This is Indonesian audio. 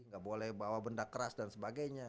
nggak boleh bawa benda keras dan sebagainya